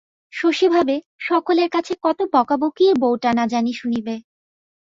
শশী ভাবে, সকলের কাছে কত বকাবকিই বৌটা না জানি শুনিবে!